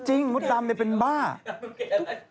จริงมดดำเนี่ยเป็นบ้ามดดำเป็นไง